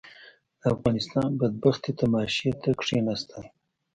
د افغانستان بدبختي تماشې ته کښېناستل.